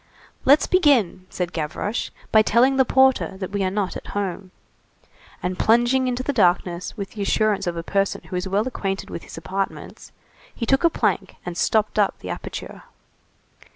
"Let's begin," said Gavroche, "by telling the porter that we are not at home." And plunging into the darkness with the assurance of a person who is well acquainted with his apartments, he took a plank and stopped up the aperture.